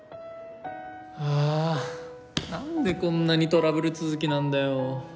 はあなんでこんなにトラブル続きなんだよ。